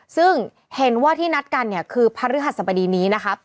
ซึ่งเห็นว่าที่นัดกันเนี่ยคือพระฤหัสบดีนี้นะคะ